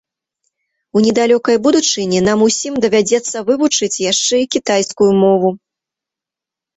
У недалёкай будучыні нам усім давядзецца вывучыць яшчэ і кітайскую мову.